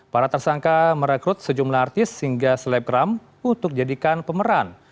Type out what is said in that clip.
para tersangka merekrut sejumlah artis hingga selebgram untuk dijadikan pemeran